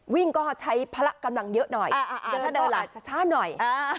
วิ่งก็ใช้พละกำลังเยอะหน่อยเดินก็ช้าหน่อย